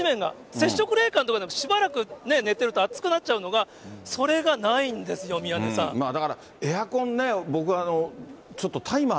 接触冷感とかでもしばらく寝てると暑くなっちゃうのが、それがなだから、エアコンね、僕、ちょっとタイマー